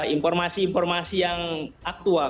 informasi informasi yang aktual